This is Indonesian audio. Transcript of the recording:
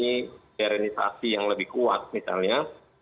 ini modernisasi yang lebih kuat misalnya